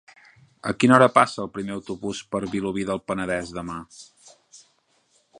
A quina hora passa el primer autobús per Vilobí del Penedès demà?